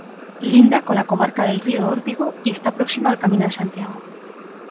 Linda con la comarca del Río Órbigo y está próxima al Camino de Santiago.